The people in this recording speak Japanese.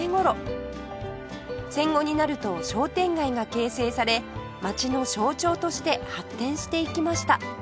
戦後になると商店街が形成され街の象徴として発展していきました